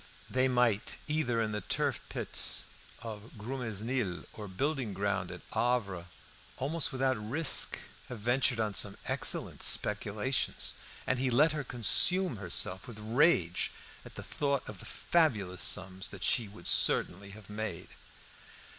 They might, either in the turf peats of Grumesnil or building ground at Havre, almost without risk, have ventured on some excellent speculations; and he let her consume herself with rage at the thought of the fabulous sums that she would certainly have made.